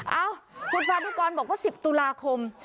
เอ้าคุณพานุกรบอกว่า๑๐ตุลาคม